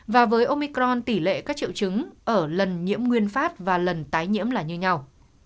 và với omicron tỷ lệ các triệu chứng ở lần nhiễm nguyên phát và lần tái nhiễm là như nhau